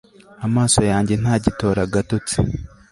amaso yanjye ntagitora agatotsi